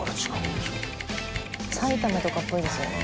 埼玉とかっぽいですよね。